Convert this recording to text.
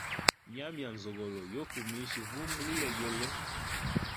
Nyama ya nzogolo yo fumisha vumba lilegele.